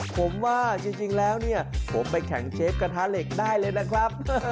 ผมว่าจริงแล้วเนี่ยผมไปแข่งเชฟกระทะเหล็กได้เลยนะครับ